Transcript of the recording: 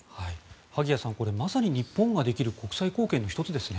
萩谷さん、まさに日本ができる国際貢献の１つですね。